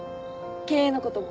経営のことも。